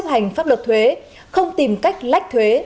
hành pháp luật thuế không tìm cách lách thuế